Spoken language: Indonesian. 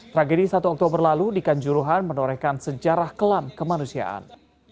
tragedi satu oktober lalu di kanjuruhan menorehkan sejarah kelam kemanusiaan